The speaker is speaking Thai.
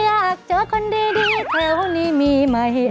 อยากเจอคนดีแถวนี้มีไหม